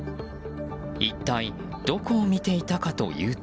一体どこを見ていたかというと。